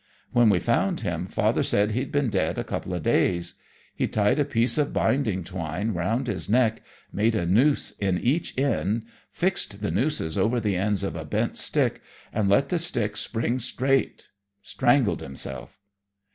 When we found him father said he'd been dead a couple days. He'd tied a piece of binding twine round his neck, made a noose in each end, fixed the nooses over the ends of a bent stick, and let the stick spring straight; strangled himself."